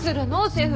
シェフ。